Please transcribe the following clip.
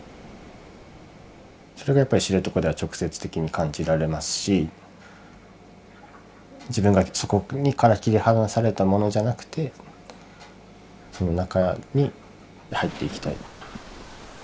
それがやっぱり知床では直接的に感じられますし自分がそこから切り離されたものじゃなくてその中に入っていきたい。